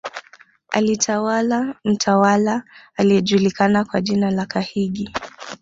Alitawala mtawala aliyejulikana kwa jina la Kahigi